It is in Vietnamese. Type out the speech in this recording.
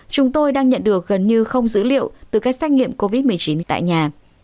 chúng tôi đang nhận được gần như không dữ liệu từ cách xét nghiệm covid một mươi chín tại nhà